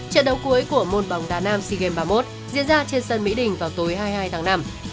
trận đấu cuối của môn bóng đá nam sea games ba mươi một diễn ra trên sân mỹ đình vào tối hai mươi hai tháng năm